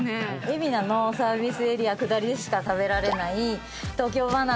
海老名のサービスエリア下りでしか食べられない東京ばな